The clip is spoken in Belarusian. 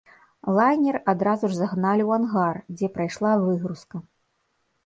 Лайнер адразу ж загналі ў ангар, дзе прайшла выгрузка.